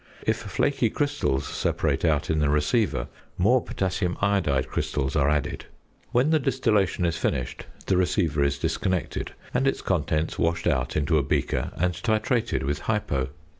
If flaky crystals separate out in the receiver, more potassium iodide crystals are added. When the distillation is finished, the receiver is disconnected, and its contents washed out into a beaker and titrated with "hypo."